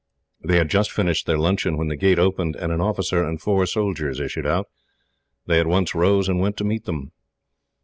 They had just finished their luncheon when the gate opened, and an officer and four soldiers issued out. They at once rose, and went to meet them.